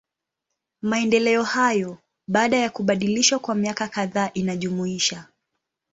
Maendeleo hayo, baada ya kubadilishwa kwa miaka kadhaa inajumuisha.